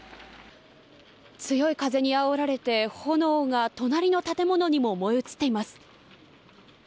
強い風にあおられて炎が隣の建物にも燃え移っています。